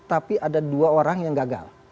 tapi ada dua orang yang gagal